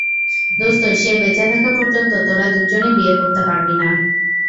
দোস্ত, সে বেঁচে থাকা পর্যন্ত তোরা দুজনে বিয়ে করতে পারবি না।